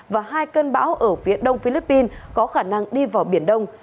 và hai cơn bão ở phía đông philippines có khả năng đi vào biển đông